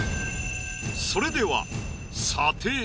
それでは。